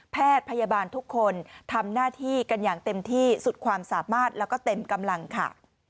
แพทย์พยาบาลทุกคนทำหน้าที่กันอย่างเต็มที่สุดความสามารถแล้วก็เต็มกำลังค่ะ